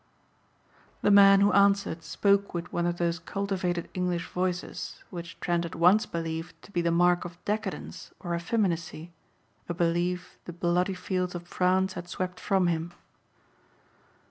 The man who answered spoke with one of those cultivated English voices which Trent had once believed to be the mark of decadence or effeminacy, a belief the bloody fields of France had swept from him.